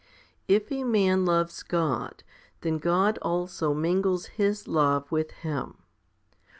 22. If a man loves God, then God also mingles His love with him.